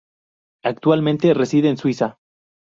Actualmente reside en Suiza.